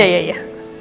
ah bagus ya